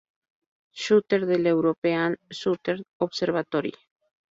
Schuster del European Southern Observatory.